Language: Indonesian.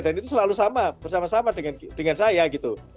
dan itu selalu sama bersama sama dengan saya gitu